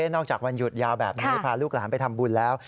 จากวันหยุดยาวแบบนี้พาลูกหลานไปทำบุญแล้ว